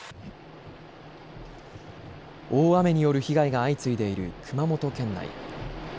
大雨による被害が相次いでいる熊本県内。